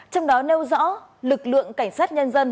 trong đó nêu rõ lực lượng cảnh sát nhân dân